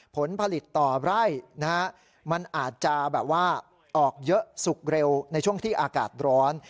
ผลผลิตต่อไร่มันอาจจะแบบว่าออกเยอะสุกเร็วในช่วงที่อากาศร้อน